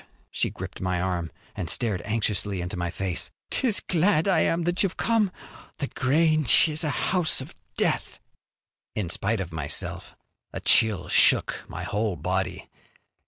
She gripped my arm and stared anxiously into my face. "'Tis glad I am that you've come. The Grange is a house of death." In spite of myself a chill shook my whole body.